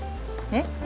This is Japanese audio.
えっ？